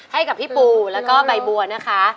ให้กับพี่ปูแล้วก็ใบบัวนะคะ